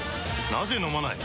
なぜ飲まない？